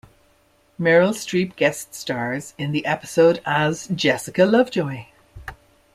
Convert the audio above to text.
Meryl Streep guest stars in the episode as Jessica Lovejoy.